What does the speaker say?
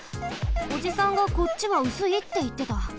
おじさんが「こっちはうすい」っていってた。